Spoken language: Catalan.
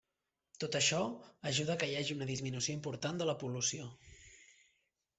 Tot això ajuda que hi hagi una disminució important de la pol·lució.